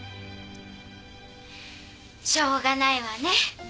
しょうがないわね。